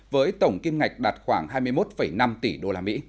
với tổng kim ngạch đạt khoảng hai mươi một năm tỷ usd